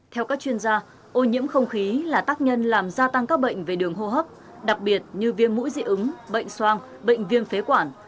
theo các chuyên gia ô nhiễm không khí là tác nhân làm gia tăng các bệnh về đường hô hấp đặc biệt như viêm mũi dị ứng bệnh soang bệnh viêm phế quản